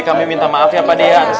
kami minta maaf ya pak dea